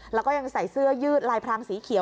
แล้วก็ยังใส่เสื้อยืดลายพรางสีเขียว